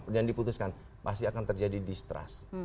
diputuskan pasti akan terjadi distrust